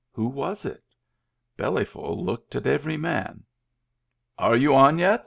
Who was it.? Bellyful looked at every man, "Are you on yet?"